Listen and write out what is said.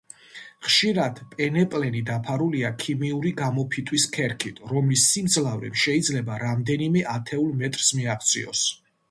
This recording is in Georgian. ხშირად პენეპლენი დაფარულია ქიმიური გამოფიტვის ქერქით, რომლის სიმძლავრემ შეიძლება რამდენიმე ათეულ მეტრს მიაღწიოს.